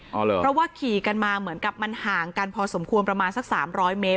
เพราะว่าขี่กันมาเหมือนกับมันห่างกันพอสมควรประมาณสักสามร้อยเมตร